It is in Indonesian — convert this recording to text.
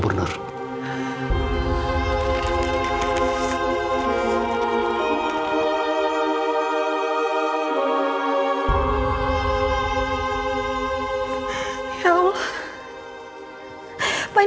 pengurangan waktu tahanan